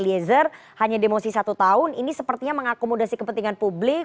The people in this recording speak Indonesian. eliezer hanya demosi satu tahun ini sepertinya mengakomodasi kepentingan publik